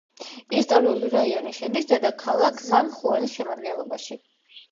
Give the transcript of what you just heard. ისტორიული რაიონი შედის დედაქალაქ სან-ხუანის შემადგენლობაში.